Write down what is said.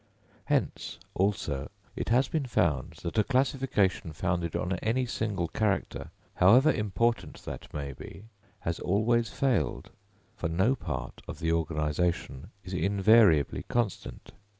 Hence, also, it has been found that a classification founded on any single character, however important that may be, has always failed; for no part of the organisation is invariably constant.